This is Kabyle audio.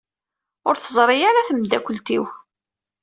Ur teẓṛi ara tmeddakelt-iw.